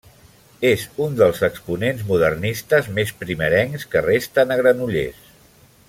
És un dels exponents modernistes més primerencs que resten a Granollers.